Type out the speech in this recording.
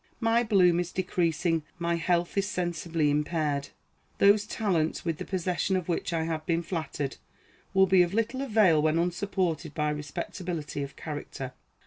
My bloom is decreasing, my health is sensibly impaired. Those talents, with the possession of which I have been flattered, will be of little avail when unsupported by respectability of character.